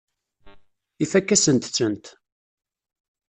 Ifakk-asent-tent.